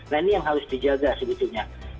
nah ini yang harus dijaga sebetulnya